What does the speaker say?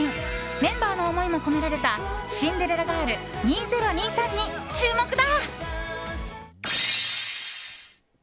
メンバーの思いも込められた「シンデレラガール２０２３」に注目だ。